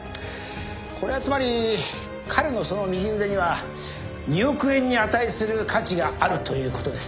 これはつまり彼のその右腕には２億円に値する価値があるということです。